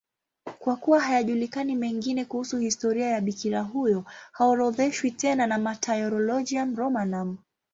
Kwa kuwa hayajulikani mengine kuhusu historia ya bikira huyo, haorodheshwi tena na Martyrologium Romanum.